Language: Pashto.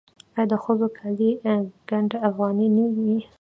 آیا د ښځو کالي ګنډ افغاني نه وي؟